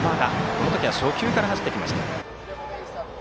この時は初球から走ってきました。